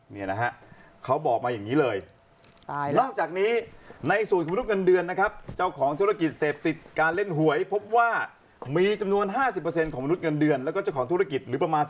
นี่นะฮะเขาบอกมาอย่างนี้เลย